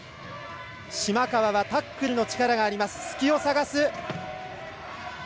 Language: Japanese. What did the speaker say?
島川はタックルの力があります。